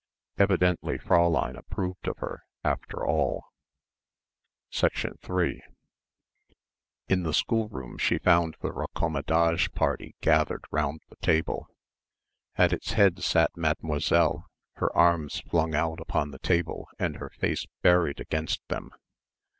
Evidently Fräulein approved of her, after all. 3 In the schoolroom she found the raccommodage party gathered round the table. At its head sat Mademoiselle, her arms flung out upon the table and her face buried against them.